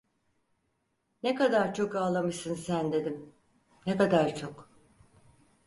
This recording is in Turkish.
"Ne kadar çok ağlamışsın sen" dedim, "ne kadar çok."